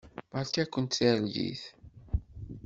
Beṛka-kent targit.